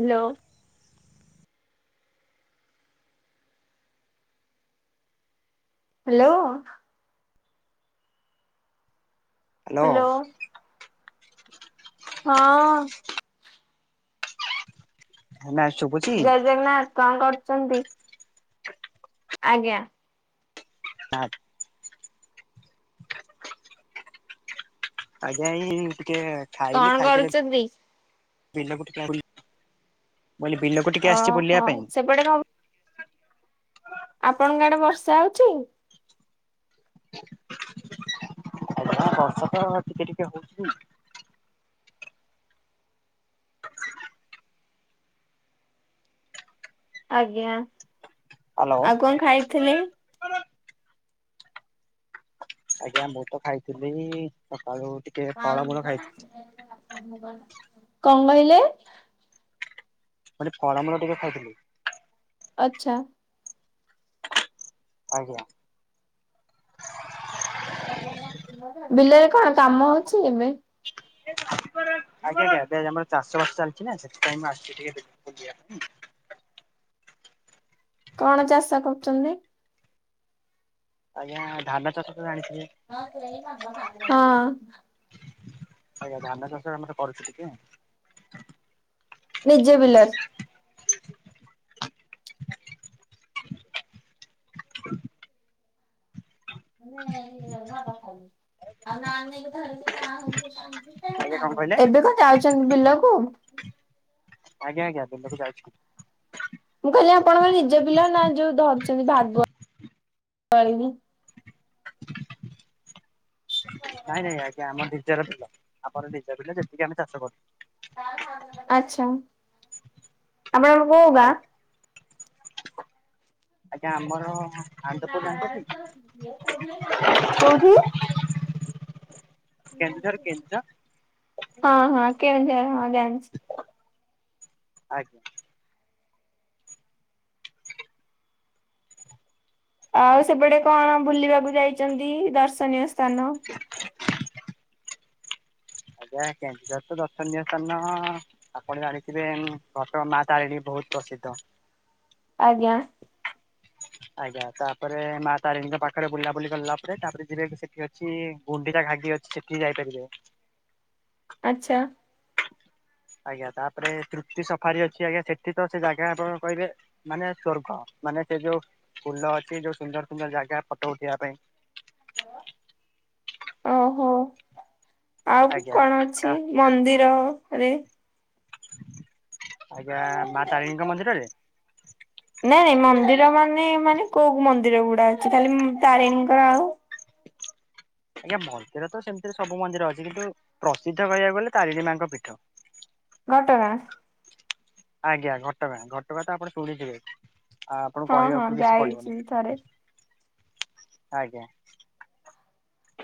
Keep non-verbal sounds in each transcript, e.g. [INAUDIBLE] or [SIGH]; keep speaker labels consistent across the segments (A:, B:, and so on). A: Hello. Hello.
B: Hello.
A: Hello ହଁ।
B: ନା ଶୁଭୁଛି
A: ଜୟ ଜଗନ୍ନାଥ କଣ କରୁଚନ୍ତି? ଆଜ୍ଞା।
B: [UNINTELLIGIBLE] ଆଜ୍ଞା ଏଇ ଟିକେ ଖାଇଲି
A: କଣ
B: ଖାଇକିରି
A: କରୁଛନ୍ତି?
B: ବିଲକୁ ଟିକେ [UNINTELLIGIBLE] ବୋଇଲି ବିଲକୁ ଟିକେ ଆସିଚି ବୁଲିବା
A: ଓହୋ
B: ପାଇଁ।
A: ସେପଟେ କଣ ଆପଣଙ୍କ ଆଡେ ବର୍ଷା ହଉଚି?
B: [UNINTELLIGIBLE] ଆ ବର୍ଷା ତ ଟିକେ ଟିକେ ହଉଛି।
A: ଆଜ୍ଞା
B: ହ୍ୟାଲୋ
A: ଆଉ କଣ ଖାଇଥିଲେ?
B: ଆଜ୍ଞା ମୁଁ ତ ଖାଇଥିଲି ସକାଳୁ ଟିକେ ଫଳମୂଳ ଖାଇଥିଲି
A: କଣ କହିଲେ?
B: ମାନେ ଫଳାମୂଳ ଟିକେ ଖାଇଥିଲି।
A: ଆଛା।
B: ଆଉ କଣ?
A: ବିଲରେ କଣ କାମ ହଉଛି ଏବେ?
B: ଅଜ୍ଞ୍ୟା ଆଜ୍ଞ୍ୟା ଏବେ ଆମର ଚାଷ ବାସ ଚାଲିଛି ନା ସେଥିପାଇଁ ମୁଁ ଆସିଛି ଟିକେ ବିଲକୁ ଯିବାପାଇଁ।
A: [INAUDIBLE] କଣ ଚାଷ କରୁଚନ୍ତି?
B: ଆଜ୍ଞା ଧାନ ଚାଷ। ତ ଜାଣିଥିବେ
A: ହଁ।
B: ଆଜ୍ଞା ଧାନ ଚାଷ ଆମର କରୁଚୁ ଟିକେ।
A: ନିଜ ବିଲରେ? ନ କଥା ଆଉ ନା ନେଇକ କଣ
B: ଆଜ୍ଞା କଣ କହିଲେ
A: [UNINTELLIGIBLE] ଏବେ କଣ ଯାଉଛନ୍ତି ବିଲକୁ?
B: ଆଜ୍ଞା ଆଜ୍ଞା ବିଲକୁ ଯାଉଛି।
A: ମୁଁ ଖାଲି ଆପଣଙ୍କ ନିଜ ବିଲ ନା ଯୋଉ ଧରିଛନ୍ତି ଭାଗ। କଳି ନି।
B: ନାଇଁ ନାଇଁ ଆଜ୍ଞା ଆମର ନିଜର ବିଲ ଆମର ନିଜ ବିଲ ଯେତିକି ଆମେ ଚାଷ କରଚୁ।
A: ଆଛା ଆପଣ କୋଉ ଗାଁ?
B: ଆଜ୍ଞା ଆଜ୍ଞା ଆମର। ଆନନ୍ଦପୁର ଜାଣିଛନ୍ତି
A: କଉଠି?
B: କେନ୍ଦୁଝର କେନ୍ଦୁଝର।
A: ହଁ ହଁ କେଉଁଝର ହଁ ଜାଣିଛି।
B: ଆଜ୍ଞା।
A: ଆଉ ସେପଟେ କଣ ବୁଲିବାକୁ ଯାଇଚନ୍ତି ଦର୍ଶନୀୟ ସ୍ଥାନ।
B: ଆଜ୍ଞା କେନ୍ଦୁଝର ତ ଦର୍ଶନୀୟ ସ୍ଥାନ ଆପଣ ଜାଣିଥିବେ ଘଟ ଗାଁ ମାତାରିଣୀ ବହୁତ। ପ୍ରସିଦ୍ଧ।
A: ଆଜ୍ଞା।
B: ଆଜ୍ଞା ତାପରେ ମା ତାରିଣୀଙ୍କ ପାଖରେ ବୁଲାବୁଲି କଲା ପରେ ତାପରେ ଯିବେ ସେଠି ଅଛି ଗୁଣ୍ଡିଚା ଘା ଘାଗି ଅଛି ସେଠିକି ଯାଇପାରିବେ।
A: ଆଚ୍ଛା।
B: ଆଜ୍ଞା ତାପରେ ତୃପ୍ତି ସଫାରି ଅଛି ଆଜ୍ଞା ସେଠି ତ ସେ ଜାଗା ଆପଣ କହିବେ ମାନେ ସ୍ୱର୍ଗ। ମାନେ ସେ ଯୋଉ ଫୁଲ ଅଛି ଯୋଉ ସୁନ୍ଦର ସୁନ୍ଦର ଜାଗା ଫଟୋ ଉଠେଇବା ପାଇଁ।
A: ହଁ [INAUDIBLE] ଓହୋ ଆଉ
B: ଆଜ୍ଞା
A: କଣ
B: ତା
A: ଅଛି ମନ୍ଦିର ରେ।
B: ଆଜ୍ଞା ମା ତାରିଣୀଙ୍କ ମନ୍ଦିରରେ।
A: ନାଇଁ ନାଇଁ ମନ୍ଦିର ମାନେ ମାନେ କୋଉ ମନ୍ଦିର ଗୁଡା ଅଛି ଖାଲି ତାରିଣୀଙ୍କର ଆଉ
B: ଆଜ୍ଞା ମନ୍ଦିର ତ ସେମିତିରେ ସବୁ ମନ୍ଦିର ଅଛି କିନ୍ତୁ ପ୍ରସିଦ୍ଧ କହିବାକୁ ଗଲେ ତାରିଣୀ ମାଙ୍କ ପୀଠ।
A: ଘଟ ଗାଁ।
B: ଆଜ୍ଞା ଘଟଗାଁ ଘଟଗାଁ ତ ଆପଣ ଶୁଣିଥିବେ। ଆ ଆପଣଙ୍କୁ
A: ହଁ ହଁ
B: କହିବାକୁ କିଛି
A: ଯାଇଛି
B: ପଡିବନି।
A: ଥରେ।
B: ଆଜ୍ଞା।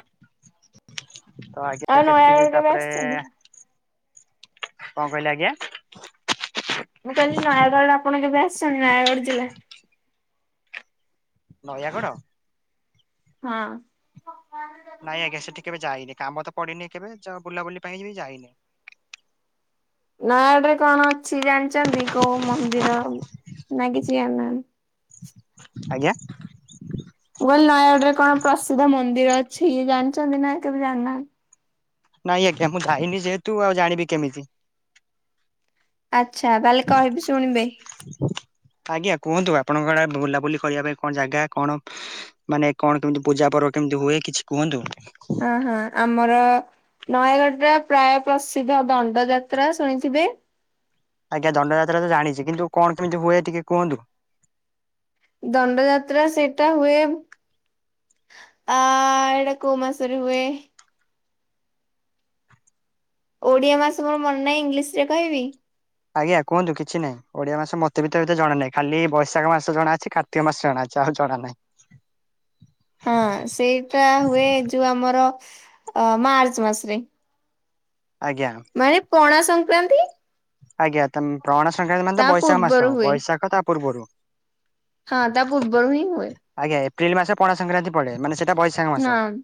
B: ତ
A: ଆଉ
B: ଆଜ୍ଞା ସେଠି
A: ନୟାଗଡ଼
B: ଯେ
A: କେବେ
B: ତାପରେ
A: ଆସିଛନ୍ତି?
B: କଣ କହିଲେ ଆଜ୍ଞା।
A: ମୁଁ କହିଲି ନୟାଗଡରେ ଆପଣ କେବେ ଆସସନ୍ତି ନୟାଗଡ ଜିଲ୍ଲା।
B: ନୟାଗଡ।
A: ହଁ।
B: ନାଇଁ ଆଜ୍ଞା ସେଠିକି କେବେ ଯାଇନି। କାମ ତ ପଡିନି କେବେ ଯାଅ ବୁଲାବୁଲି ପାଇଁ ବି ଯାଇନି।
A: ନୟାଗଡରେ କଣ ଅଛି ଜାଣିଛନ୍ତି? କୋଉ ମନ୍ଦିର ଉଁ ନା କିଛି ଜାଣିନାହାନ୍
B: ଆଜ୍ଞା।
A: ମୁଁ କହିଲି ନୟାଗଡରେ କଣ ପ୍ରସିଦ୍ଧ ମନ୍ଦିର ଅଛି ଜାଣିଛନ୍ତି ନା କେବେ ଜାଣିନାହା
B: ନାଇଁ ଆଜ୍ଞା ମୁଁ ଯାଇନି ଯେହେତୁ ଆଉ ଜାଣିବି କେମିତି।
A: ଆଚ୍ଛା ତାହେଲେ କହିବି ଶୁଣିବେ
B: ଆଜ୍ଞା କୁହନ୍ତୁ ଆପଣଙ୍କ ଆଡେ ବୁଲାବୁଲି କରିବା ପାଇଁ କଣ ଜାଗା କଣ? ମାନେ କଣ କେମିତି ପୂଜା ପର୍ବ କେମିତି ହୁଏ? କିଛି କୁହନ୍ତୁ।
A: ହଁ ହଁ ଆମର ନୟାଗଡ଼ଟା ପ୍ରାୟ ପ୍ରସିଦ୍ଧ ଦଣ୍ଡଯାତ୍ରା ଶୁଣିଥିବେ?
B: ଆଜ୍ଞା ଦଣ୍ଡଯାତ୍ରା ତ ଜାଣିଛି କିନ୍ତୁ କଣ କେମିତି ହୁଏ ଟିକେ କୁହନ୍ତୁ।
A: ଦଣ୍ଡଯାତ୍ରା ସେଇଟା ହୁଏ ଆଃ ଏଇଟା କୋଉ ମାସରେ ହୁଏ? ଓଡିଆ ମାସ ମୋର ମନ ନାହିଁ ଇଂଲିଶରେ କହିବି?
B: ଆଜ୍ଞା କୁହନ୍ତୁ କିଛି ନାହିଁ। ଓଡିଆ ମାସ ମତେ ବି ତ ଏତେ ଜଣାନାହିଁ। ଖାଲି ବୈଶାଖ ମାସ ଜଣାଅଛି। କାର୍ତ୍ତିକ ମାସ ଜଣା। ଯା ହଉ ଜଣା ନାହିଁ।
A: ହଁ ସେଇଟା ହୁଏ ଯୋଉ ଆମର ଅଁ ମାର୍ଚ୍ଚ ମାସେରେ।
B: ଆଜ୍ଞା
A: ମାନେ ପଣା ସଂକ୍ରାନ୍ତି
B: ଆଜ୍ଞା ତ ମ୍ ପଣା ସଂକ୍ରାନ୍ତି ମାନେ ତ
A: ତା
B: ବୈଶାଖ ମାସ
A: ପୂର୍ବରୁ ହୁଏ
B: ବୈଶାଖ ତା ପୂର୍ବୁରୁ।
A: ହଁ ତା ପୂର୍ବରୁ ହିଁ ହୁଏ।
B: ଆଜ୍ଞା ଏପ୍ରିଲ ମାସରେ ପଣା ସଂକ୍ରାନ୍ତି ପଡେ ମାନେ ସେଇଟା ବୈଶାଖ ମାସ।
A: ହଁ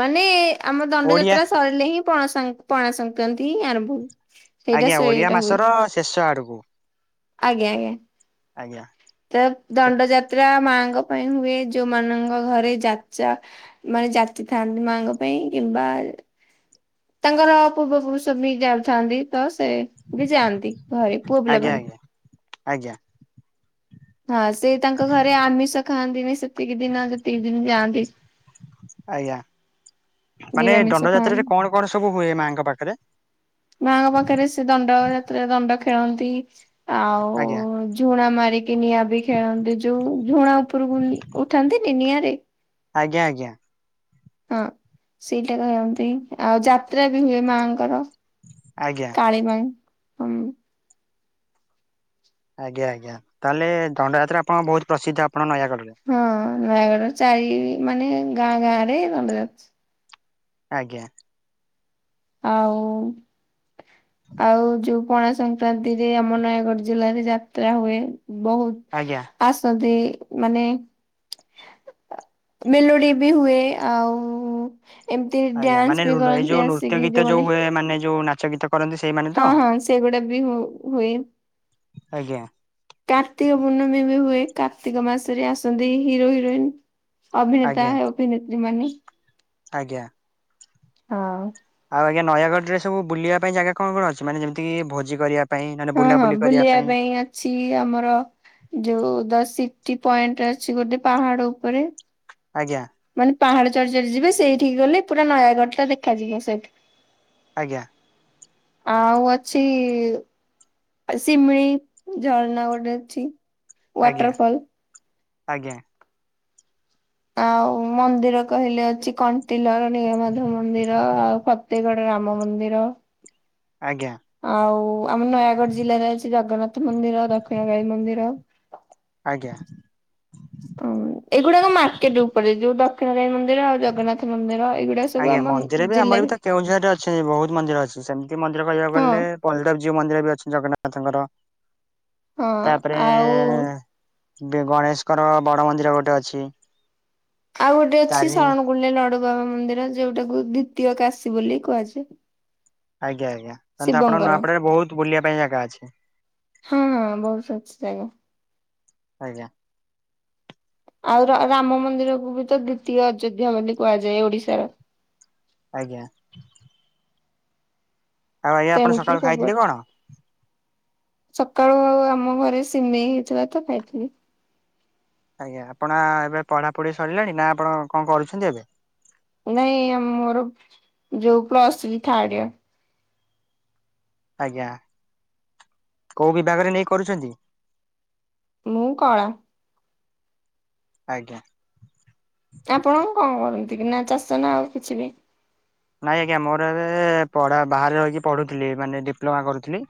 A: ମାନେ ଆମ
B: ଓଡିଆ
A: ଦଣ୍ଡଯାତ୍ରା ସରିଲେ ହିଁ ପଣା ସଂ ପଣା ସଂକ୍ରାନ୍ତି ଆରମ୍ଭ ହୁ
B: ଆଜ୍ଞା ଓଡିଆ ମାସର ଶେଷ ଆଡୁକୁ।
A: ଆଜ୍ଞା ଆଜ୍ଞା ତ ଦଣ୍ଡଯାତ୍ରା ମାଆ ଙ୍କ ପାଇଁ ହୁଏ ଯୋଉମାନଙ୍କ ଘରେ ଯା ଚା ମାନେ ଯାଚିଥାନ୍ତି ମାଆଙ୍କ ପାଇଁ କିମ୍ବା ତାଙ୍କର ପୂର୍ବପୁରୁଷ ବି ଯାଉଥାନ୍ତି ତ ସ୍ ସେ ବି ଯାଆନ୍ତି ଘରେ ପୁଅ
B: ଆଜ୍ଞା
A: ପିଲାମାନେ।
B: ଆଜ୍ଞା ଆଜ୍ଞା।
A: ହଁ ସେ ତାଙ୍କ ଘରେ ଆମିଷ ଖାଆନ୍ତିନି ସେତିକି ଦିନ ଯେ ତିକି ଦିନି ଯାଆନ୍ତି।
B: ଆଜ୍ଞା ମାନେ
A: ନିରାମିଷ ଖାଆନ୍ତି।
B: ଦଣ୍ଡଯାତ୍ରାରେ କଣ କଣ ସବୁ ହୁଏ ମାଆଙ୍କ ପାଖେରେ?
A: ମାଆଙ୍କ ପାଖେରେ ସେ ଦଣ୍ଡଯାତ୍ରାରେ ଦଣ୍ଡ ଖେଳନ୍ତି ଆଉ
B: ଆଜ୍ଞା
A: ଝୁଣା ମାର୍ ରିକି ନିଆଁ ବି ଖେଳନ୍ତି। ଯୋଉ ଝୁଣା ଉପରୁକୁ ଉଠାନ୍ତିନି ନିଆଁରେ?
B: ଆଜ୍ଞା ଆଜ୍ଞା।
A: ହଁ ସେଇଟା କରନ୍ତି। ଆଉ ଯାତ୍ରା ବି ହୁଏ ମାଆଙ୍କର।
B: ଆଜ୍ଞା
A: କାଳୀ ମାଆ ହୁଁ।
B: ଆଜ୍ଞା ଆଜ୍ଞା ତାହେଲେ ଦଣ୍ଡଯାତ୍ରା ଆପଣଙ୍କ ବହୁତ ପ୍ରସିଦ୍ଧ ଆପଣଙ୍କ ନୟାଗଡ଼ରେ?
A: ନୟାଗଡ଼ର ଚାରି ମାନେ ଗାଁ ଗାଁରେ ଦଣ୍ଡଯା
B: ଆଜ୍ଞା।
A: ଆଉ ଆଉ ଯୋଉ ପଣା ସଂକ୍ରାନ୍ତିରେ ଆମ ନୟାଗଡ ଜିଲ୍ଲାରେ ଯାତ୍ରା ହୁଏ। ବହୁତ
B: ଆଜ୍ଞା
A: ଆସନ୍ତି ମାନେ ଆ ମେଲୋଡି ବି ହୁଏ ଆଉ ଏମିତି ଡ୍ୟାନ୍ସ ବି କରନ୍ତି ଆସ୍
B: ତ ଗୀତ ଯୋଉ ହୁଏ ମାନେ ଯୋଉ ନାଚ ଗୀତ କରନ୍ତି ସେଇମାନେ ତ?
A: ହଁ ହଁ ସେଗୁଡା ବି ହୁ ହୁଏ।
B: ଆଜ୍ଞା।
A: କାର୍ତ୍ତିକ ପୂର୍ଣ୍ଣମୀ ବି ହୁଏ କାର୍ତ୍ତିକ ମାସରେ ଆସନ୍ତି ହିରୋ ହିରୋଇନ ଅଭିନେତା
B: ଆଜ୍ଞା
A: ଅଭିନେତ୍ରୀ ମାନେ।
B: ଆଜ୍ଞା।
A: ହଁ।
B: ଆଉ ଆଜ୍ଞା ନୟାଗଡ଼ରେ ସବୁ ବୁଲିବା ପାଇଁ ଜାଗା କଣ କଣ ଅଛି? ମାନେ ଯେମିତିକ ଭୋଜି କରିବା ପାଇଁ ନହେଲେ
A: ହଁ ହଁ
B: ବୁଲାବୁଲି କରିବା
A: ବୁଲିବା ପାଇଁ ଅଛି। ଆମର ଯୋଉ ଦସି କି ପଏଣ୍ଟ ଅଛି ଗୋଟେ ପାହାଡ ଉପରେ।
B: ଆଜ୍ଞା
A: ମାନେ ପାହାଡ ଚଢ଼ି ଚଢ଼ି ଯିବେ ସେଇଠିକି ଗଲେ ପୁରା ନୟାଗଡ଼ ଟା ଦେଖାଯିବ ସେଇଠି।
B: ଆଜ୍ଞା।
A: ଆଉ ଅଛି ଶିମିଳି ଝରଣା ଗୋଟେ ଅଛି।
B: ଆଜ୍ଞା
A: ୱାଟରଫଲ।
B: ଆଜ୍ଞା।
A: ଆଉ ମନ୍ଦିର କହିଲେ ଅଛି। କଣ୍ଟିଲର ନୀଳମାଧବ ମନ୍ଦିର ଆଉ ଫତେଗଡ ରାମ ମନ୍ଦିର।
B: ଆଜ୍ଞା।
A: ଆଉ ଆମ ନୟାଗଡ ଜିଲ୍ଲାରେ ଅଛି ଜଗନ୍ନାଥ ମନ୍ଦିର ଦକ୍ଷିଣକାଳୀ ମନ୍ଦିର।
B: ଆଜ୍ଞା।
A: ହ ଏଇଗୁଡାକ ମାର୍କେଟ ଉପରେ। ଯୋଉ ଦକ୍ଷିଣକାଳୀ ମନ୍ଦିର ଆଉ ଜଗନ୍ନାଥ ମନ୍ଦିର ଏଇଗୁଡା ଶ
B: ଆଜ୍ଞା। ମନ୍ଦିର ବି ଆମର ବି ତ କେଉଁଝର ରେ ଅଛନ୍ତି ବହୁତ ମନ୍ଦିର ଅଛି। ସେମିତି ମନ୍ଦିର କହିବାକୁ
A: ହଁ
B: ଗଲେ ବଲଦେବ ଜୀଉ ମନ୍ଦିର। ବି ଅଛି ଜଗନ୍ନାଥଙ୍କର
A: ହଁ
B: ତାପରେ
A: ଆଉ
B: ଗଣେଶଙ୍କର ବଡ ମନ୍ଦିର ଗୋଟେ ଅଛି।
A: ଆଉ ଗୋଟେ ଅଛି
B: ତାରିଣୀ
A: ଶରଣ କୂଳରେ ଲଡୁ ବାବା ମନ୍ଦିର, ଯୋଉଟାକୁ ଦ୍ଵିତୀୟ କାଶୀ ବୋଲି କୁହାଯାଏ।
B: ଆଜ୍ଞା ଆଜ୍ଞା। ତାହାଲେ ତ ଆପଣଙ୍କ
A: ଶିବଙ୍କର
B: ନୂଆପଡାରେ ବହୁତ ବୁଲିବା ପାଇଁ ଜାଗା ଅଛି।
A: ହଁ ହଁ ବହୁତ ଅଛି ଜାଗା।
B: ଆଜ୍ଞା।
A: ଆଉ ରା ରାମ ମନ୍ଦିରକୁ ବି ତ ଦ୍ଵିତୀୟ ଅଯୋଧ୍ୟା ବୋଲି କୁହାଯାଏ ଓଡିଶାର।
B: ଆଜ୍ଞା। ଆଉ ଆଜ୍ଞା
A: ତ
B: ଆପଣ
A: ଏମିତି
B: ସକାଳୁ
A: ସବୁ
B: ଖାଇଥିଲେ
A: ଅଛି।
B: କଣ?
A: ସକାଳୁ ଆଉ ଆମ ଘରେ ସିମେଇ ହେଇଥିଲା ତ ଖାଇଥିଲି।
B: ଆଜ୍ଞା ଆପଣ ଆ ଏବେ ପଢାପଢି ସରିଲାଣି? ନା ଆପଣ କଣ କରୁଛନ୍ତି ଏବେ?
A: ନାଇଁ ମୋର ଯୋଉ ପ୍ଲସ ଥ୍ରି ଥାଡ୍ ଇଅର୍।
B: ଆଜ୍ଞା କୋଉ ବିଭାଗରେ ନେଇ କରୁଛନ୍ତି?
A: ମୁଁ କଳା।
B: ଆଜ୍ଞା।
A: ଆପଣ କଣ କରନ୍ତି କି ନା ଚାଷ ନା ଆଉ କିଛି ବି?
B: ନାଇଁ ଆଜ୍ଞା ମୋର ଏବେ ପଢା ବାହାରେ ରହିକି ପଢୁଥିଲି ମାନେ ଡିପ୍ଲୋମା କରୁଥିଲି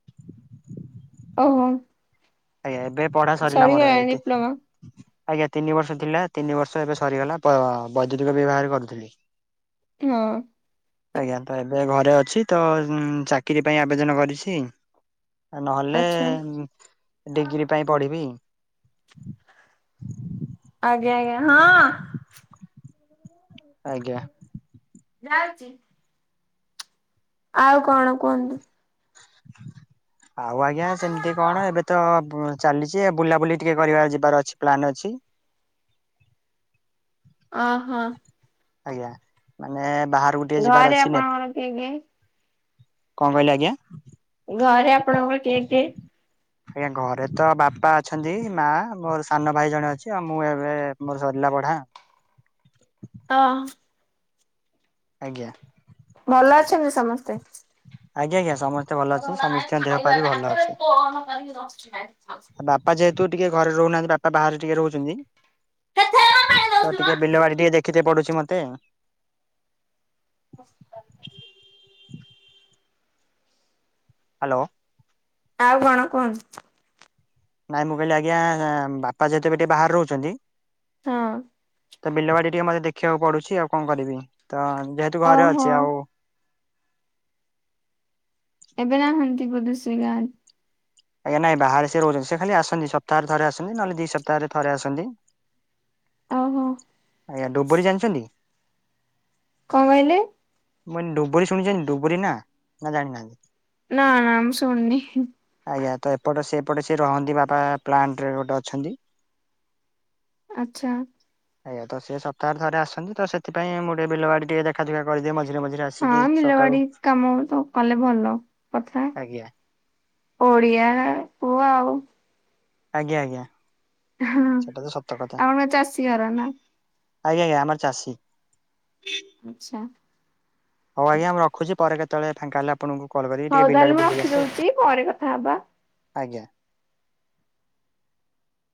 A: [INAUDIBLE] ଓହୋ।
B: ଆଜ୍ଞା ଏବେ ପଢା ସରିଲା ମୋର
A: ସରିଗଲାଣି
B: ଏତେ।
A: ଡିପ୍ଲୋମା?
B: ଆଜ୍ଞା ତିନି ବର୍ଷ ଥିଲା ତିନି ବର୍ଷ ଏବେ ସରିଗଲା ପ ବଜୁରିକ ବିଭାଗରେ କରୁଥିଲି।
A: ହଁ
B: ଆଜ୍ଞା ତ ଏବେ ଘର୍ ରେ ଅଛି ତ ଚାକିରି ପାଇଁ ଆବେଦନ କରିଛି। ନହେଲେ
A: ଆଚ୍ଛା
B: ଡିଗ୍ରୀ ପାଇଁ ପଢିବି।
A: ଆଜ୍ଞା ଆଜ୍ଞା ହଁ।
B: ଆଜ୍ଞା।
A: ଯାଉଚି। ଆଉ କଣ କୁହନ୍ତୁ।
B: ଆଉ ଆଜ୍ଞା ସେମତି କଣ ଏବେ ତ ବୁ ଚାଲିଚି ଏ ବୁଲାବୁଲି ଟିକେ କରିବା ଯିବାର ଅଛି ପ୍ଲାନ୍ ଅଛି। ଇ
A: ଅହ।
B: ଆଜ୍ଞା ମାନେ ବାହାରୁକୁ ଟିକେ ଯିବାର
A: ଘରେ
B: ଅଛି ନେ
A: ଆପଣଙ୍କର କିଏ କିଏ?
B: କଁ କହିଲେ ଆଜ୍ଞା?
A: ଘରେ ଆପଣଙ୍କର କିଏ କିଏ
B: ଆଜ୍ଞା ଘରେ ତ ବାପା ଅଛନ୍ତି ମା ମୋର ସାନ ଭାଇ ଜଣେ ଅଛି ଆଉ ମୁଁ ଏବେ ମୋର ସରିଲା ଆ ବଢ଼ା
A: ଅ
B: ଆଜ୍ଞା।
A: ଭଲ ଅଛନ୍ତି ସମସ୍ତେ?
B: ଆଜ୍ଞା ଆଜ୍ଞା। ସମସ୍ତେ ଭଲ ଅଛନ୍ତି ସମସ୍ତିଙ୍କ ଦେହ ପା ବି ଭଲ ଅଛି। ଆ ବାପା ଯେହେତୁ ଟିକେ ଘରେ ରହୁନାହାନ୍ତି ବାପା ବାହାରେ ଟିକେ ରହୁଚନ୍ତି ତ ଟିକେ ବିଲ ବାଡ଼ି ଟିକେ ଦେଖିତେ ପଡ଼ୁ ଚି ମତେ।
A: [INAUDIBLE]
B: ହାଲୋ।
A: ଆଉ କଣ କୁହନ୍ତୁ।
B: ନାଇଁ ମୁଁ କହିଲି ଆଜ୍ଞା ବାପା ଯେହେତୁ ଏବେ ଟିକେ ବାହାରେ ରହୁଚନ୍ତି
A: ହଁ।
B: ତ ବିଲବାଡ଼ି ଟିକେ ମତେ ଦେଖିବାକୁ ପଡ଼ୁଛି ଆଉ କଁ କରିବି ତ ଯେହେତୁ ଘରେ
A: ଓହୋ
B: ଅଛି ଆଉ
A: ଏବେ ନାହାନ୍ତି ବୋଧେ ସେ ଗାଁ
B: ଆଜ୍ଞା ନାଇଁ ବାହାରେ ସିଏ ରହୁଚନ୍ତି ସେ ଖାଲି ଆସନ୍ତି ସପ୍ତାହରେ ଥରେ ଆସନ୍ତି ନହେଲେ ଦି ସପ୍ତାହରେ ଥରେ ଆସନ୍ତି।
A: ଓହୋ
B: ଆଜ୍ଞା ଡୁବୁରୀ ଜାଣିଛନ୍ତି?
A: କଁ କହିଲେ?
B: ମୁଁ ଅଇନି ଡୁବରି ଶୁଣିଚନ୍ତି ଡୁବରି ନାଁ ନାଁ ଜାଣିନାହାନ୍ତି?
A: ନାଁ ମୁଁ ଶଣିନି।
B: ଆଜ୍ଞା ତ ଏପଟ ସେପଟେ ସେ ରହନ୍ତି ବାପା ପ୍ଲାଣ୍ଟ୍ ରେ ଗୋଟେ ଅଛନ୍ତି।
A: ଆଚ୍ଛା।
B: ଆଜ୍ଞା ତ ସିଏ ସପ୍ତାହରେ ଥରେ ଆସନ୍ତି ତ ସେଥିପାଇଁ ମୁଁ ଟିକେ ବିଲ ବାଡ଼ି ଟିକେ ଦେଖାଦୁଖା କରିଦିଏ ମଝି
A: ହଁ ବିଲ ବାଡ଼ି କାମ ତ କଲେ ଭଲ କଥା।
B: ଆଜ୍ଞା
A: ଓଡ଼ିଆ ପୁଅ ଆଉ।
B: ଆଜ୍ଞା ଆଜ୍ଞା।
A: ହଁ
B: ସେଟା ତ ସତ କଥା
A: ଆପଣଙ୍କ ଚାଷୀ ଘର ନାଁ?
B: ଆଜ୍ଞା ଆଜ୍ଞା ଆମର ଚାଷୀ।
A: ଆଚ୍ଛା।
B: ହଉ ଆଜ୍ଞା ମୁଁ ରଖୁଚି ପରେ କେତୋଳେ ଫାଙ୍କା ହେଲେ ଆ ଆପଣଙ୍କୁ କଲ କରିବି
A: ହଉ
B: ଟିକେ
A: ତାହେଲେ
B: ବିଲିରେ
A: ମୁଁ
B: ବୁଲିକି ଆସେ।
A: ରଖିଦଉଛି ପରେ କଥା ହବା।
B: ଆଜ୍ଞା।